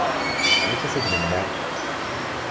Amek ara t-id-nemneɛ?